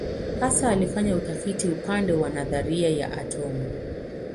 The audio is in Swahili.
Hasa alifanya utafiti upande wa nadharia ya atomu.